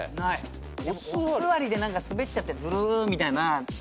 お座りで滑っちゃってずるみたいな。